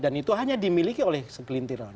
dan itu hanya dimiliki oleh sekelintir